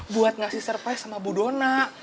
buat ngasih surprise sama bu dona